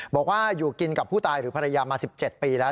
บอกว่าอยู่กินกับผู้ตายหรือภรรยามา๑๗ปีแล้ว